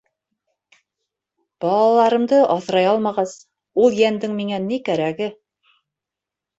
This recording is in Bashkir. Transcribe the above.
Балаларымды аҫрай алмағас, ул йәндең миңә ни кәрәге?!.